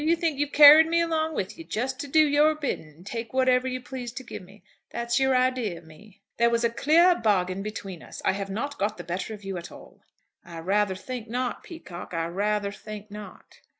You think you've carried me along with you, just to do your bidding and take whatever you please to give me? That's your idea of me?" "There was a clear bargain between us. I have not got the better of you at all." "I rather think not, Peacocke. I rather think not.